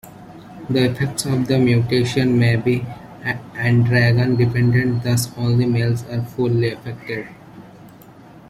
The effects of the mutation may be androgen-dependent, thus only males are fully affected.